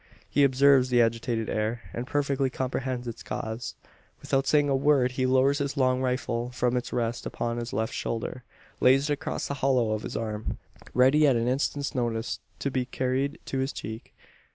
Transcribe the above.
He observes the agitated air, and perfectly comprehends its cause. Without saying a word, he lowers his long rifle from its rest upon his left shoulder; lays it across the hollow of his arm, ready at an instant's notice to be carried to his cheek.